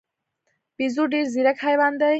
بیزو ډېر ځیرک حیوان دی.